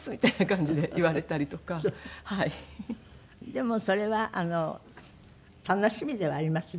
でもそれは楽しみではありますね。